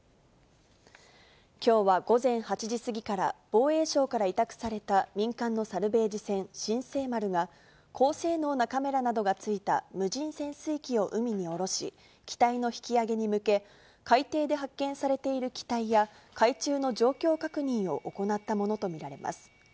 きょうは午前８時過ぎから、防衛省から委託された民間のサルベージ船、新世丸が、高性能なカメラなどがついた無人潜水機を海に降ろし、機体の引き揚げに向け、海底で発見されている機体や、海中の状況確認を行ったものと見られます。